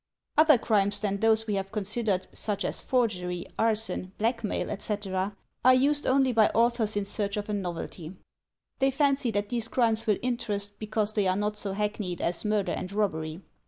Other crimes than those we have considered, such as forgery, arson, blackmail, etc., are used only by authors in 250 THE TECHNIQUE OF THE MYSTERY STORY search of a novelty. They fancy that these crimes will in terest because they are not so hackneyed as murder and rob bery.